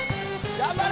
頑張れ！